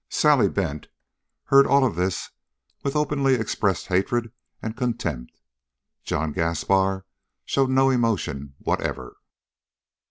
Sally Bent heard all of this with openly expressed hatred and contempt. John Gaspar showed no emotion whatever.